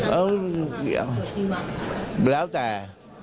ไม่แล้วแต่